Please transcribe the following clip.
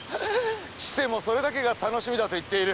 千世もそれだけが楽しみだと言っている。